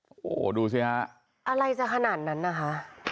โอ้โหดูสิฮะอะไรจะขนาดนั้นนะคะ